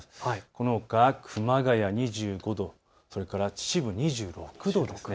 このほか熊谷２５度、それから秩父２６度です。